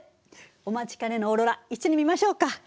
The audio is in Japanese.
お待ちかねのオーロラ一緒に見ましょうか。